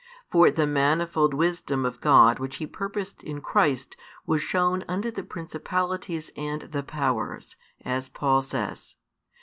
For the manifold wisdom of God which He purposed in Christ was known unto the principalities and the powers, as Paul says.